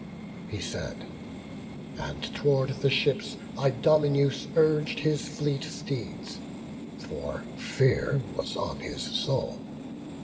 He said; and tow'rd the ships Idomeneus Urg'd his fleet steeds; for fear was on his soul.